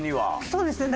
そうですね。